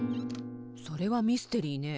それはミステリーね。